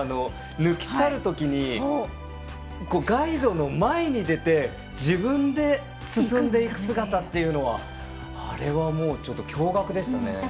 抜き去るときにガイドの前に出て自分で進んでいく姿というのはあれはちょっと驚愕でしたね。